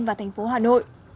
và thành phố hà nội